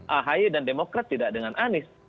ahy dan demokrat tidak dengan anies